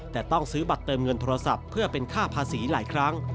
แต่ต้องซื้อบัตรเติมเงินโทรศัพท์เพื่อเป็นค่าภาษีหลายครั้ง